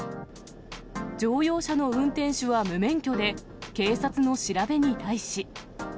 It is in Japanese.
乗用車の運転手は無免許で、警察の調べに対し。